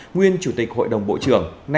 nguyên chủ tịch hội đồng bộ trưởng